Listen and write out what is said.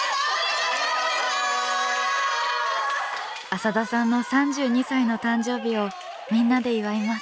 浅田さんの３２歳の誕生日をみんなで祝います。